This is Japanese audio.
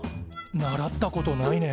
習ったことないね。